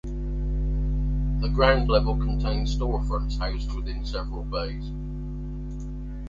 The ground level contained storefronts housed within several bays.